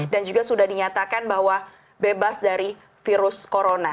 dan juga sudah dinyatakan bahwa bebas dari virus corona